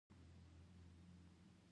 هندوکش د کورنیو د دودونو عنصر دی.